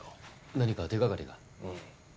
何か手掛かりが？